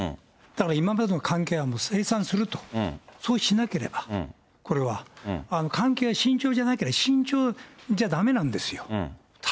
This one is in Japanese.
だから今までの関係は清算すると、そうしなければ、これは関係、慎重じゃなければ、慎重じゃだめなんですよ。